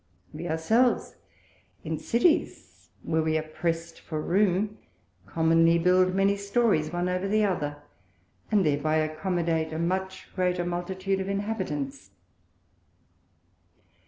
We our selves, in Cities where we are pressed for Room, commonly build many Stories one over the other, and thereby accommodate a much greater multitude of Inhabitants.